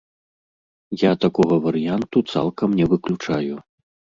Я такога варыянту цалкам не выключаю.